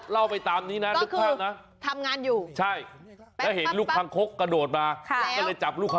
เล่าไปตามนี้นะนึกภาพนะ